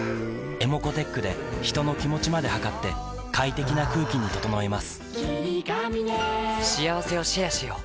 ｅｍｏｃｏーｔｅｃｈで人の気持ちまで測って快適な空気に整えます